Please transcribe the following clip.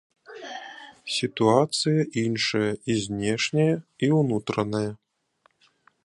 Сітуацыя іншая і знешняя, і ўнутраная.